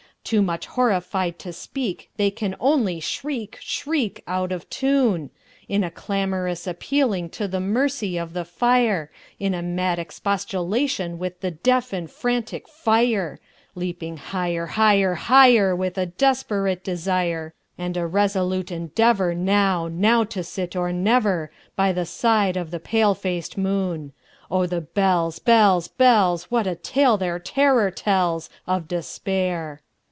Too much horrified to speak, They can only shriek, shriek, Out of tune, In a clamorous appealing to the mercy of the fire, In a mad expostulation with the deaf and frantic fire, Leaping higher, higher, higher, With a desperate desire, And a resolute endeavorNow—now to sit or never, By the side of the pale faced moon. Oh, the bells, bells, bells! What a tale their terror tellsOf Despair!